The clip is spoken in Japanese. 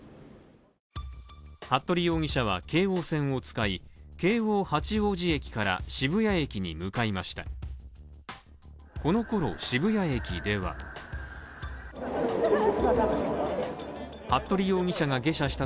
服部容疑者は京王線を使い、京王八王子駅から渋谷駅に向かいました。